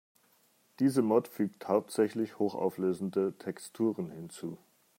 Diese Mod fügt hauptsächlich hochauflösende Texturen hinzu.